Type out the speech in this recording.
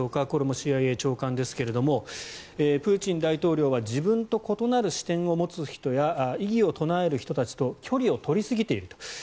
これもＣＩＡ長官ですがプーチン大統領は自分と異なる視点を持つ人や異議を唱える人たちと距離を取りすぎていると。